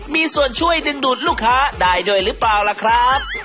มีส่วนช่วยดึงดูดลูกค้าได้ด้วยหรือเปล่าล่ะครับ